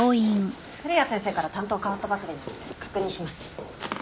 古谷先生から担当代わったばかりなので確認します。